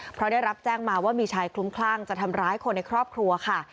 เพราะได้รับแจ้งมาว่ามีชายคลุ้มคลั่งจะทำร้ายคนในครอบครัวค่ะ